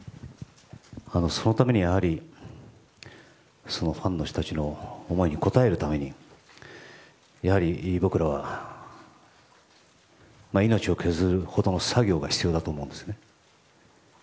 そのためにはやはり、ファンの人たちの思いに応えるために僕らは命を削るほどの作業が必要だと思うんですね。